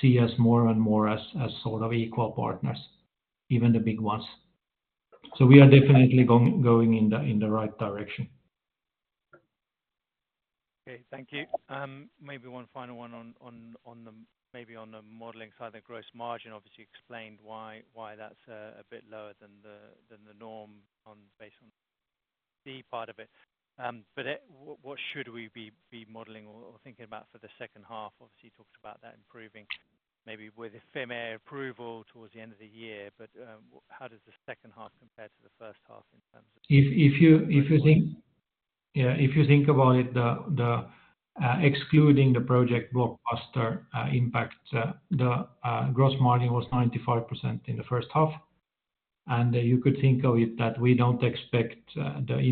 [SPEAKER 4] see us more and more as sort of equal partners, even the big ones. So we are definitely going in the right direction.
[SPEAKER 7] Okay, thank you. Maybe one final one on the modeling side, the gross margin. Obviously, you explained why that's a bit lower than the norm based on the part of it. But what should we be modeling or thinking about for the second half? Obviously, you talked about that improving maybe with a Fimea approval towards the end of the year, but how does the second half compare to the first half in terms of-
[SPEAKER 4] If you think about it, excluding the Project Blockbuster impact, the gross margin was 95% in the first half, and you could think of it that we don't expect the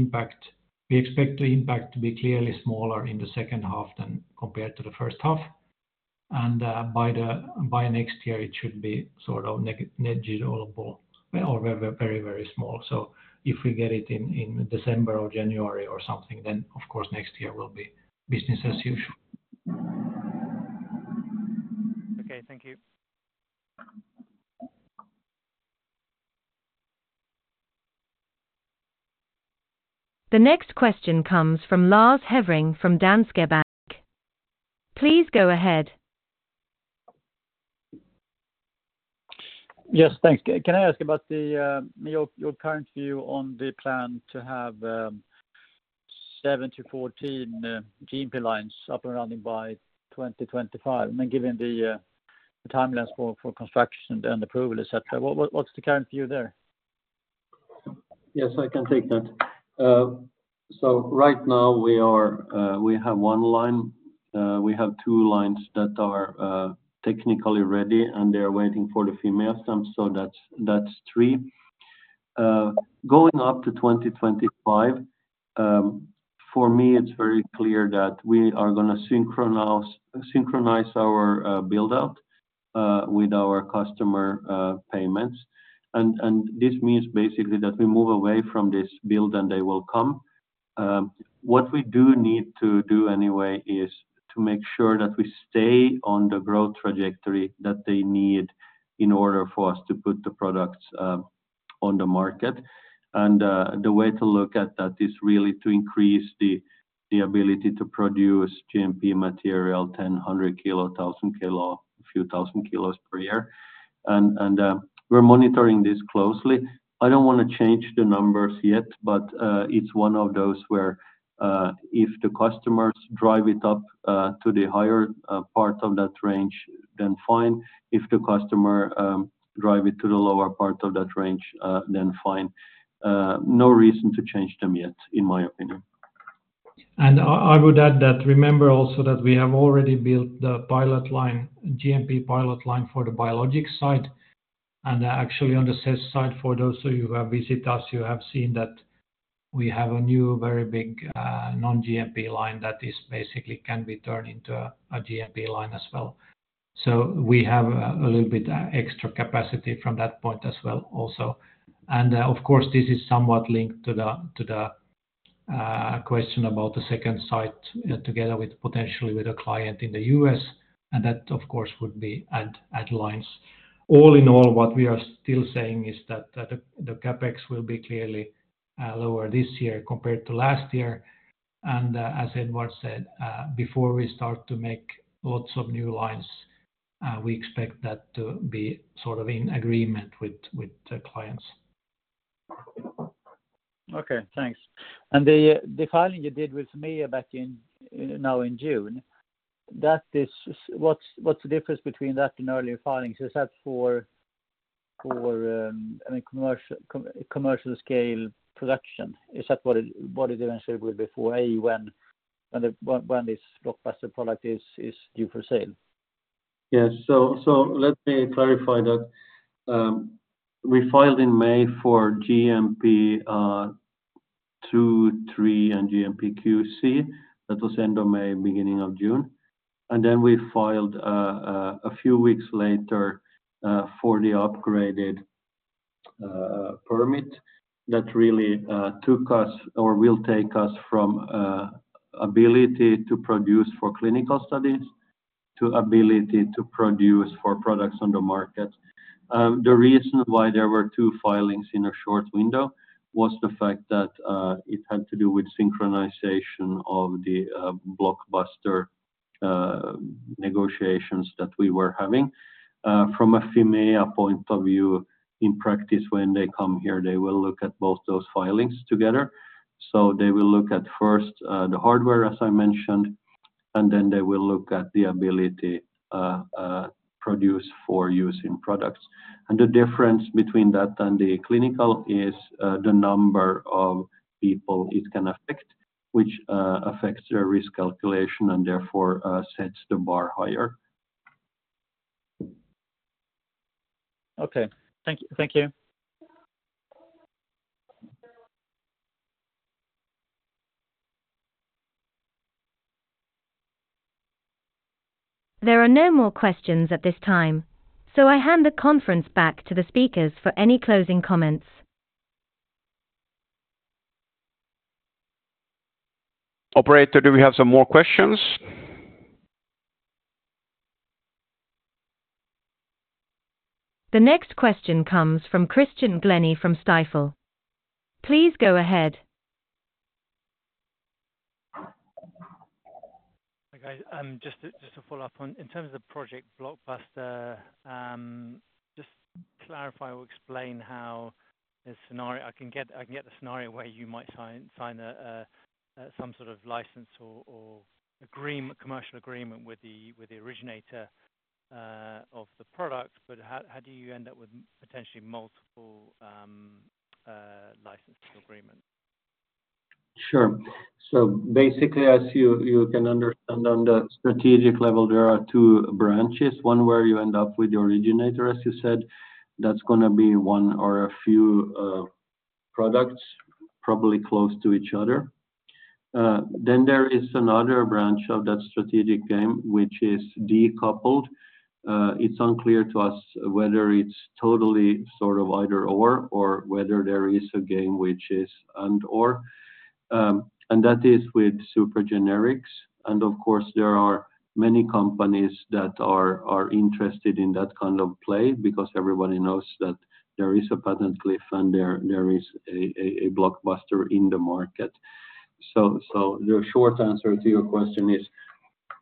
[SPEAKER 4] impact—we expect the impact to be clearly smaller in the second half than compared to the first half. And by next year, it should be sort of negligible or very, very, very small. So if we get it in December or January or something, then, of course, next year will be business as usual.
[SPEAKER 7] Okay, thank you.
[SPEAKER 5] The next question comes from Lars Hevreng from Danske Bank. Please go ahead.
[SPEAKER 8] Yes, thanks. Can I ask about your current view on the plan to have seven to 14 GMP lines up and running by 2025? And then given the timelines for construction and approval, et cetera, what's the current view there?
[SPEAKER 2] Yes, I can take that. So right now we are, we have one line. We have two lines that are technically ready, and they are waiting for the Fimea stamp, so that's three. Going up to 2025, for me, it's very clear that we are gonna synchronize our build-out with our customer payments. And this means basically that we move away from this build, and they will come. What we do need to do anyway is to make sure that we stay on the growth trajectory that they need in order for us to put the products on the market. And the way to look at that is really to increase the ability to produce GMP material, 100 kilo, 1,000 kilo, a few thousand kilos per year We're monitoring this closely. I don't wanna change the numbers yet, but it's one of those where if the customers drive it up to the higher part of that range, then fine. If the customer drive it to the lower part of that range, then fine. No reason to change them yet, in my opinion.
[SPEAKER 4] I would add that remember also that we have already built the pilot line, GMP pilot line for the biologics side, and actually on the sales side, for those of you who have visit us, you have seen that we have a new, very big, non-GMP line that is basically can be turned into a GMP line as well. So we have a little bit extra capacity from that point as well also. Of course, this is somewhat linked to the question about the second site together with potentially with a client in the U.S., and that, of course, would be add lines. All in all, what we are still saying is that the CapEx will be clearly lower this year compared to last year. As Edward said, before we start to make lots of new lines, we expect that to be sort of in agreement with the clients.
[SPEAKER 8] Okay, thanks. And the filing you did with Fimea back in June, what's the difference between that and earlier filings? Is that for commercial scale production? I mean, is that what it eventually will be for, when this Blockbuster product is due for sale?
[SPEAKER 2] Yes. So, so let me clarify that. We filed in May for GMP, 2023, and GMP QC. That was end of May, beginning of June. And then we filed a few weeks later for the upgraded permit. That really took us or will take us from ability to produce for clinical studies to ability to produce for products on the market. The reason why there were two filings in a short window was the fact that it had to do with synchronization of the Blockbuster negotiations that we were having. From a Fimea point of view, in practice, when they come here, they will look at both those filings together. So they will look at first the hardware, as I mentioned, then they will look at the ability to produce for use in products. The difference between that and the clinical is the number of people it can affect, which affects your risk calculation and therefore sets the bar higher.
[SPEAKER 4] Okay. Thank you, thank you.
[SPEAKER 5] There are no more questions at this time, so I hand the conference back to the speakers for any closing comments.
[SPEAKER 1] Operator, do we have some more questions?
[SPEAKER 5] The next question comes from Christian Glennie from Stifel. Please go ahead.
[SPEAKER 7] Hi, guys. Just to, just to follow up on, in terms of Project Blockbuster, just to clarify or explain how the scenario, I can get, I can get the scenario where you might sign, sign a, a, some sort of license or, or agreement, commercial agreement with the, with the originator of the product, but how, how do you end up with potentially multiple licensing agreements?
[SPEAKER 2] Sure. So basically, as you can understand, on the strategic level, there are two branches. One where you end up with the originator, as you said, that's gonna be one or a few products, probably close to each other. Then there is another branch of that strategic game, which is decoupled. It's unclear to us whether it's totally sort of either/or or whether there is a game which is and/or, and that is with super generics. And of course, there are many companies that are interested in that kind of play because everybody knows that there is a patent cliff, and there is a Blockbuster in the market. So the short answer to your question is,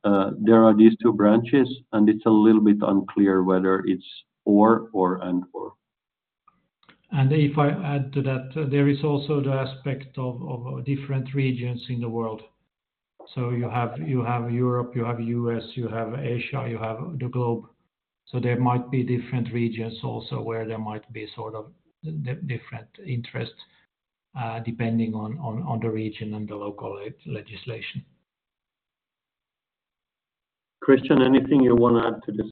[SPEAKER 2] there are these two branches, and it's a little bit unclear whether it's or, or and/or.
[SPEAKER 4] And if I add to that, there is also the aspect of different regions in the world. So you have Europe, U.S., Asia, the globe. So there might be different regions also where there might be sort of different interests, depending on the region and the local legislation.
[SPEAKER 2] Christian, anything you wanna add to this?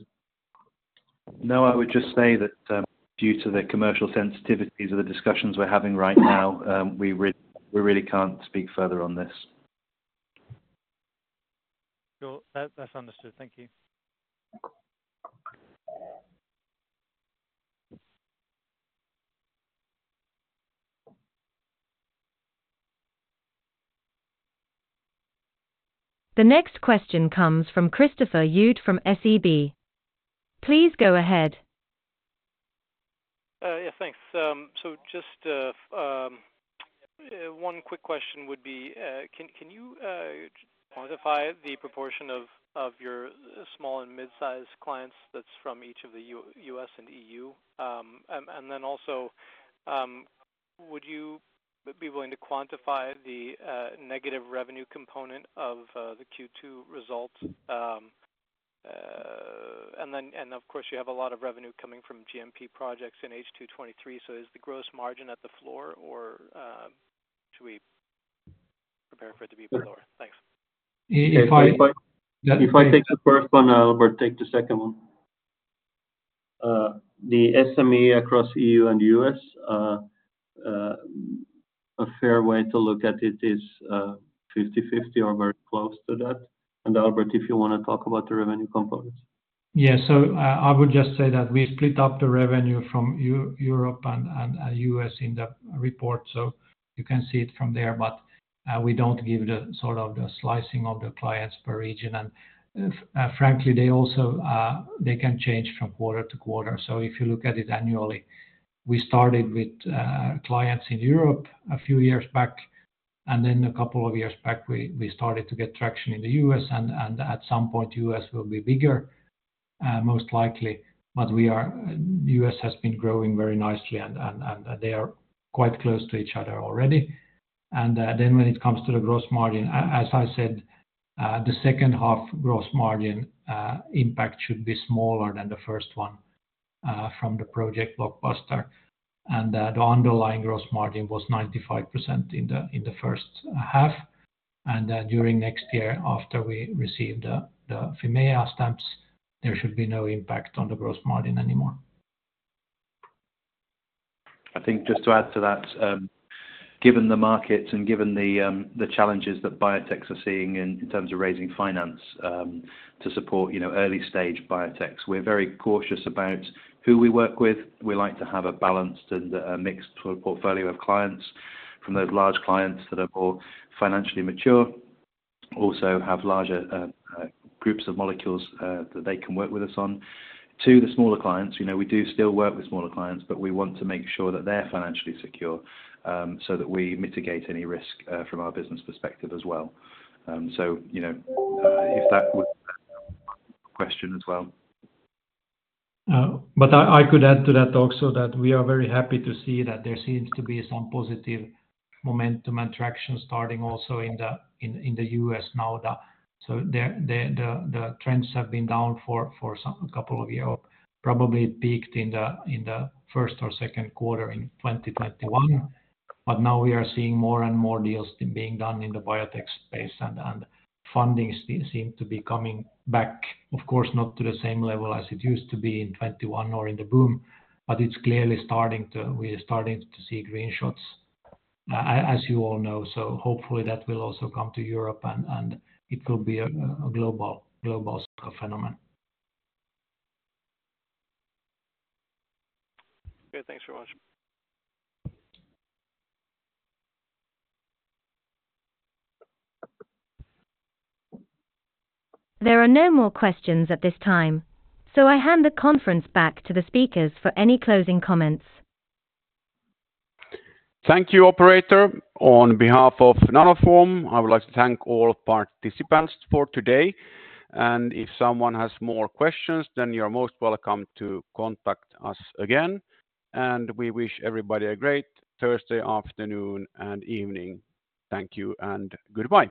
[SPEAKER 3] No, I would just say that, due to the commercial sensitivities of the discussions we're having right now, we really can't speak further on this.
[SPEAKER 7] Cool. That, that's understood. Thank you.
[SPEAKER 5] The next question comes from Christopher Uhde from SEB. Please go ahead.
[SPEAKER 6] Yeah, thanks. So just one quick question would be, can you quantify the proportion of your small and mid-sized clients that's from each of the U.S. and E.U.? And then also, would you be willing to quantify the negative revenue component of the Q2 results? And then, of course, you have a lot of revenue coming from GMP projects in H2 2023. So is the gross margin at the floor, or should we prepare for it to be lower? Thanks.
[SPEAKER 4] If I-
[SPEAKER 2] If I take the first one, Albert, take the second one. The SME across E.U. and U.S., a fair way to look at it is 50/50 or very close to that. And Albert, if you wanna talk about the revenue components.
[SPEAKER 4] Yeah. So I would just say that we split up the revenue from Europe and U.S. in the report, so you can see it from there, but we don't give the sort of the slicing of the clients per region. And frankly, they also can change from quarter-to-quarter. So if you look at it annually, we started with clients in Europe a few years back, and then a couple of years back, we started to get traction in the U.S., and at some point, U.S. will be bigger, most likely. But U.S. has been growing very nicely and they are quite close to each other already. Then when it comes to the gross margin, as I said, the second half gross margin impact should be smaller than the first one from the Project Blockbuster. The underlying gross margin was 95% in the first half, and during next year, after we receive the Fimea stamps, there should be no impact on the gross margin anymore.
[SPEAKER 3] I think just to add to that, given the markets and given the, the challenges that biotechs are seeing in terms of raising finance, to support, you know, early-stage biotechs, we're very cautious about who we work with. We like to have a balanced and a mixed portfolio of clients, from those large clients that are more financially mature, also have larger, groups of molecules, that they can work with us on, to the smaller clients. You know, we do still work with smaller clients, but we want to make sure that they're financially secure, so that we mitigate any risk, from our business perspective as well. So, you know, if that would question as well.
[SPEAKER 4] But I could add to that also, that we are very happy to see that there seems to be some positive momentum and traction starting also in the U.S. now that, so the trends have been down for some couple of years, probably peaked in the first or second quarter in 2021. But now we are seeing more and more deals being done in the biotech space, and funding seems to be coming back, of course, not to the same level as it used to be in 2021 or in the boom, but it's clearly starting to—we are starting to see green shoots, as you all know. So hopefully that will also come to Europe, and it will be a global phenomenon.
[SPEAKER 6] Good. Thanks very much.
[SPEAKER 5] There are no more questions at this time, so I hand the conference back to the speakers for any closing comments.
[SPEAKER 1] Thank you, Operator. On behalf of Nanoform, I would like to thank all participants for today, and if someone has more questions, then you're most welcome to contact us again, and we wish everybody a great Thursday afternoon and evening. Thank you and goodbye.